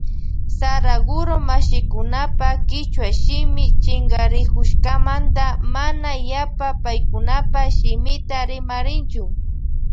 Saraguro mashikunapa kichwa shimi chinkarikushkamanta mana yapa paykunapa shimita rimarinchu.